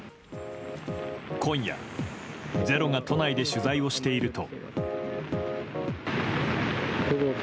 今夜、「ｚｅｒｏ」が都内で取材をしていると。